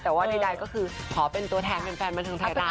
แต่ว่าใดก็คือขอเป็นตัวแทนแฟนบันเทิงไทยรัฐ